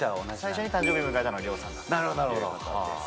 最初に誕生日迎えたのはリョウさんだということです。